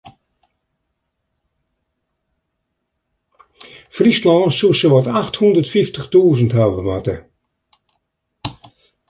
Fryslân soe sawat acht hûndert fyftich tûzen hawwe moatte.